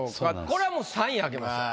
これはもう３位開けましょう。